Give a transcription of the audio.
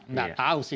nggak tahu sih